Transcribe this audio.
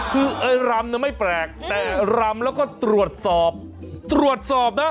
คือไอ้รำไม่แปลกแต่รำแล้วก็ตรวจสอบตรวจสอบนะ